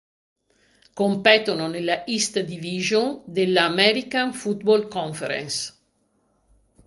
Competono nella East Division della American Football Conference.